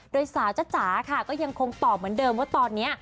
โดยสาวจ๊ะจ๋าค่ะก็ยังคงตอบเหมือนเดิมว่าตอนนี้